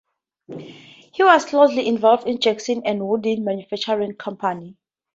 He was closely involved in Jackson and Woodin Manufacturing Company.